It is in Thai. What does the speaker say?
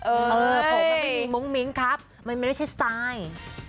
เออผมไม่มีมุ้งมิ้งครับมันไม่ใช่สไตล์